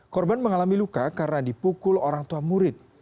korban mengalami luka karena dipukul orang tua murid